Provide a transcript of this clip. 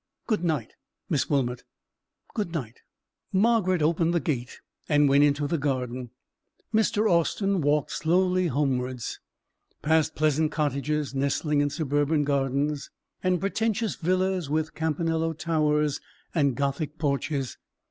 "Good night, Miss Wilmot." "Good night." Margaret opened the gate and went into the garden. Mr. Austin walked slowly homewards, past pleasant cottages nestling in suburban gardens, and pretentious villas, with campanello towers and gothic porches.